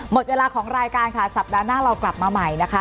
หมดเวลาของรายการค่ะสัปดาห์หน้าเรากลับมาใหม่นะคะ